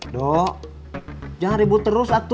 dok jangan ribut terus aku